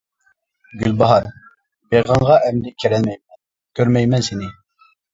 گۈلباھار، بېغىڭغا ئەمدى كىرەلمەيمەن، كۆرمەيمەن سېنى.